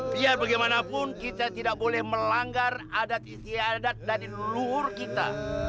biar bagaimanapun kita tidak boleh melanggar adat istiadat dari luhur kita